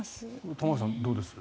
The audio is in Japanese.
玉川さん、どうです？